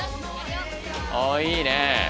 ああいいね。